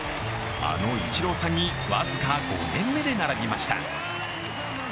あのイチローさんに僅か５年目で並びました。